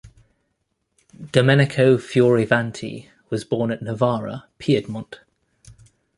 Domenico Fioravanti was born at Novara, Piedmont.